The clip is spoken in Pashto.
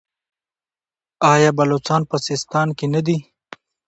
آیا بلوڅان په سیستان کې نه دي؟